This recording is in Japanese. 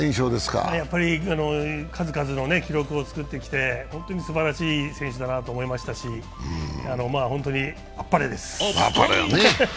数々の記録を作ってきて、本当にすばらしい選手だなと思いましたし、本当にあっぱれです。